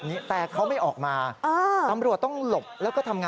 นี่มันเป็นไงนี่มันเป็นไง